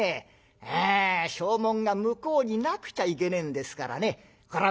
ええ証文が向こうになくちゃいけねえんですからねこらぁ